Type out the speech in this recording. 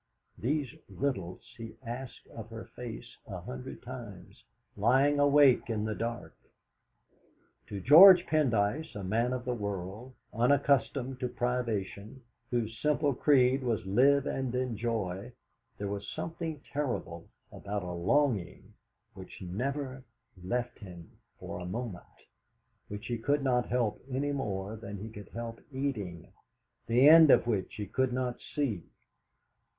These riddles he asked of her face a hundred times, lying awake in the dark. To George Pendyce, a man of the world, unaccustomed to privation, whose simple creed was "Live and enjoy," there was something terrible about a longing which never left him for a moment, which he could not help any more than he could help eating, the end of which he could not see.